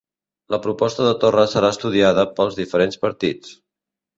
La proposta de Torra serà estudiada pels diferents partits